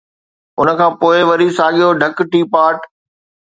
ان کان پوءِ وري ساڳيو ڍڪ ٽي پاٽ.